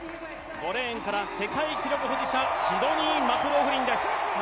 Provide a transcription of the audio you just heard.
５レーンから世界記録保持者シドニー・マクローフリンです。